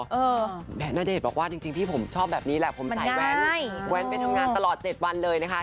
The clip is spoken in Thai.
แบร์รี่คุณผู้ชมนาเดชน์บอกว่าจริงพี่ผมชอบแบบนี้แหละผมใส่แว้นไปทำงานตลอด๗วันเลยนะคะ